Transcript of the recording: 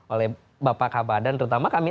oleh bapak kabadan terutama kami